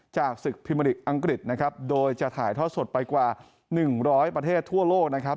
จากศึกพิมพลิกอังกฤษนะครับโดยจะถ่ายทอดสดไปกว่า๑๐๐ประเทศทั่วโลกนะครับ